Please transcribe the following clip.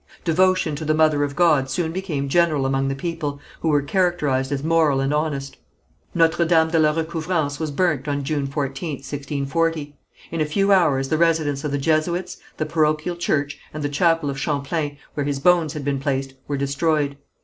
Devotion to the Mother of God soon became general among the people, who were characterized as moral and honest. Notre Dame de la Recouvrance was burnt on June 14th, 1640. In a few hours the residence of the Jesuits, the parochial church, and the chapel of Champlain, where his bones had been placed, were destroyed.